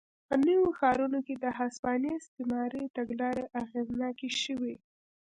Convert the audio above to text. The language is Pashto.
په نویو ښارونو کې د هسپانیا استعماري تګلارې اغېزناکې شوې.